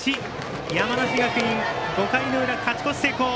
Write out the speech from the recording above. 山梨学院５回の裏、勝ち越し成功！